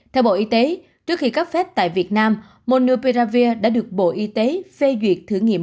theo bộ y tế trước khi cấp phép tại việt nam monopearavir đã được bộ y tế phê duyệt thử nghiệm